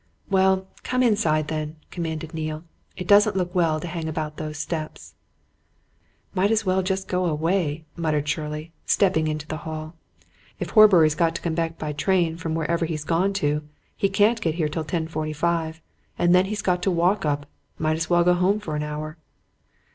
"Well, come inside, then," commanded Neale. "It doesn't look well to hang about those steps." "Might just as well go away," muttered Shirley, stepping into the hall. "If Horbury's got to come back by train from wherever he's gone to, he can't get here till the 10.45, and then he's got to walk up. Might as well go home for an hour."